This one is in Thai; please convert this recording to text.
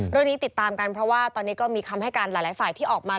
เรื่องนี้ติดตามกันเพราะว่าตอนนี้ก็มีคำให้การหลายฝ่ายที่ออกมา